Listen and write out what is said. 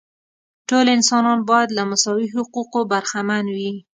ټول انسانان باید له مساوي حقوقو برخمن وي.